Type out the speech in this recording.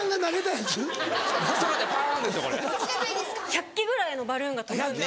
１００機ぐらいのバルーンが飛ぶんです。